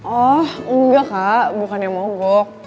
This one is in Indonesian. oh engga kak bukannya mogok